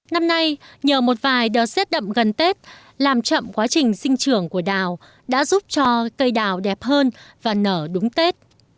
năm nay nhờ một vài đợt rét đậm gần tết làm chậm quá trình sinh trưởng của đào đã giúp cho cây đào đẹp hơn và nở đúng tết